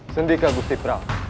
sendika agusti prabu